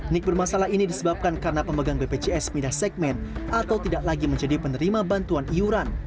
nik bermasalah ini disebabkan karena pemegang bpjs pindah segmen atau tidak lagi menjadi penerima bantuan iuran